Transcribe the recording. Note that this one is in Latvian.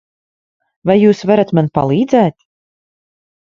Vai jūs varat man palīdzēt?